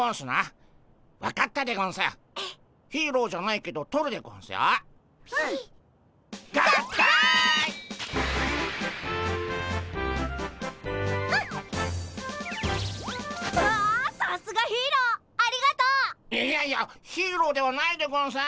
いやいやヒーローではないでゴンス。